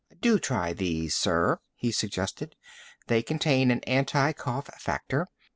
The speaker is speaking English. "Do try these, sir," he suggested. "They contain an anti cough factor.